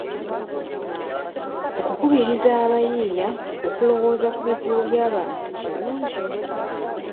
Okukubiriza abayiiyia okulowooza ku bizibu by'abantu kirungi.